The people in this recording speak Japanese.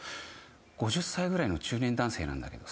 ５０歳ぐらいの中年男性なんだけど。